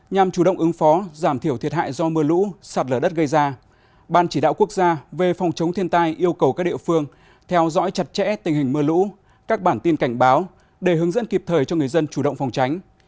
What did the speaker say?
nhằm chủ động ứng phó giảm thiểu thiệt hại do mưa lũ sạt lở đất gây ra ban chỉ đạo quốc gia về phòng chống thiên tai yêu cầu các địa phương theo dõi chặt chẽ tình hình mưa lũ các bản tin cảnh báo để hướng dẫn kịp thời cho người dân chủ động phòng tránh